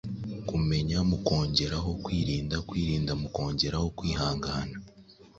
kumenya mukongereho kwirinda; kwirinda mukongereho kwihangana;